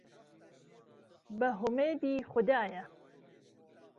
به هومێدیخودایه